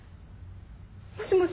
もしもし？